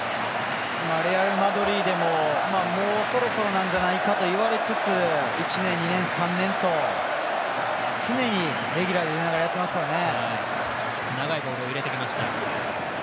レアルマドリードでももうそろそろなんじゃないかと言われつつ１年、２年、３年と常にレギュラーで出てやってますからね。